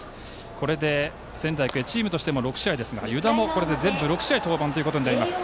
これで仙台育英、チームとしても６試合ですが湯田も６試合登板となります。